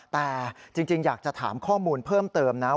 แต่จริงอยากจะถามข้อมูลเพิ่มเติมนะ